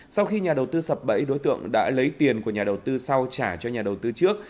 sau khi nhà đầu tư sập bẫy đối tượng đã lấy tiền của nhà đầu tư sau trả cho nhà đầu tư trước